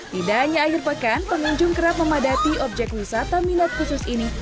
tidak hanya akhir pekan pengunjung kerap memadati objek wisata minat khusus ini